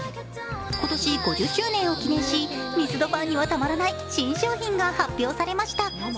今年５０周年を記念しミスドファンにはたまらない新商品が発表されました。